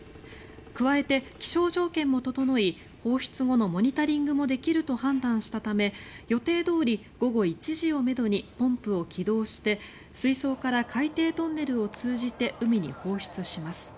加えて、気象条件も整い放出後のモニタリングもできると判断したため予定どおり午後１時をめどにポンプを起動して水槽から海底トンネルを通じて海に放出します。